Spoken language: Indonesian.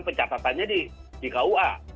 pencatatannya di kua